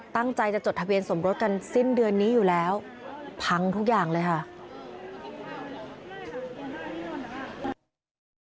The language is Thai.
ตั้งใจจะจดทะเบียนสมรสกันสิ้นเดือนนี้อยู่แล้วพังทุกอย่างเลยค่ะ